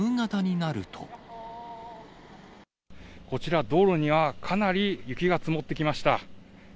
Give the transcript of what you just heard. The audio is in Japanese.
こちら、道路にはかなり雪が積もってきました。